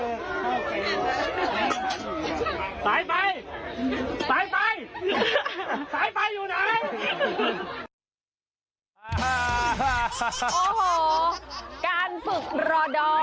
โอ้โหการฝึกรอดอย